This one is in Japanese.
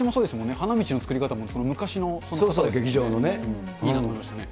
花道の作り方も昔の、いいなと思いましたね。